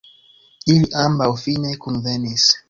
Ili ambaŭ fine kunvenis.